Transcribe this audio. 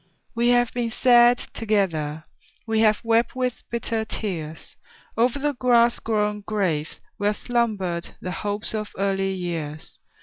We have been sad together; We have wept with bitter tears O'er the grass grown graves where slumbered The hopes of early years.